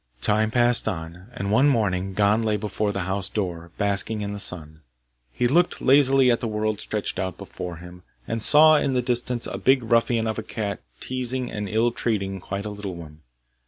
Time passed on, and one morning Gon lay before the house door, basking in the sun. He looked lazily at the world stretched out before him, and saw in the distance a big ruffian of a cat teasing and ill treating quite a little one.